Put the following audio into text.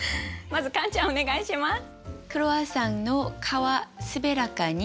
まずカンちゃんお願いします。